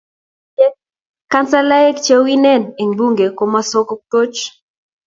iyoni kole kanselaek cheu inen eng bunge ko mokosooch